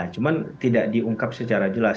cuma tidak diungkap secara jelas